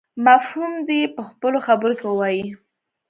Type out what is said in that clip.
مفهوم دې يې په خپلو خبرو کې ووايي.